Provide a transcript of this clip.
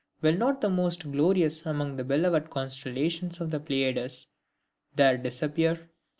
Will not the most glorious among the beloved constellation of the Pleiades there disappear?